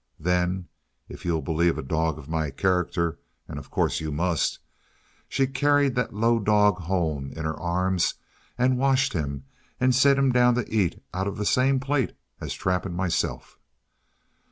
Then, if you'll believe a dog of my character (and of course you must), she carried that low dog home in her arms, and washed him, and set him down to eat out of the same plate as Trap and myself!